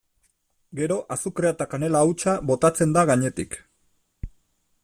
Gero azukrea eta kanela hautsa botatzen da gainetik.